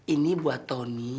ini buat tony seratus